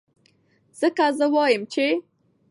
ځکه زۀ وائم چې